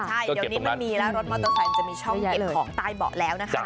รถมอเตอร์ไซซ์มีช่องเก็บของต้านเบาะแล้วนะครับ